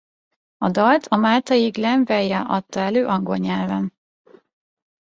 A dalt a máltai Glen Vella adta elő angol nyelven.